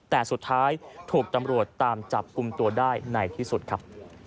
แต่สุดท้ายถูกตำรวจตามจับกลุ่มตัวได้ในที่สุดครับ